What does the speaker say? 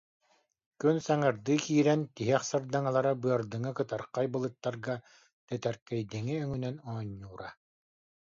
Күн саҥардыы киирэн, тиһэх сардаҥалара быардыҥы кытархай былыттарга тэтэркэйдиҥи өҥүнэн оонньуура